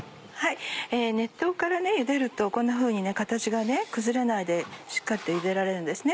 熱湯からゆでるとこんなふうに形が崩れないでしっかりとゆでられるんですね。